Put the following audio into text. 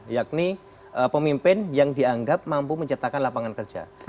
yakni pemimpin yang dianggap mampu menciptakan lapangan kerja